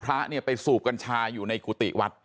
พระเนี่ยไปสูบกัญชาอยู่ในกุฏิวัด